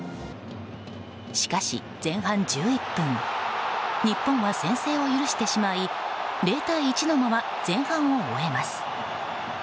しかし、前半１１分日本は先制を許してしまい０対１のまま前半を終えます。